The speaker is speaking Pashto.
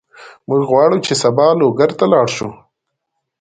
موږ غواړو چې سبا لوګر ته لاړ شو.